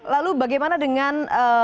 lalu bagaimana dengan